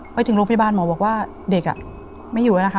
ไปถึงโรงพยาบาลหมอบอกว่าเด็กไม่อยู่แล้วนะคะ